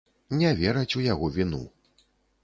Не вераць у яго віну.